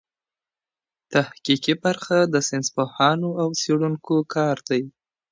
تحقیقي برخه د ساینس پوهانو او څېړونکو کار دئ.